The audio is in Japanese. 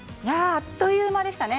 あっという間でしたね。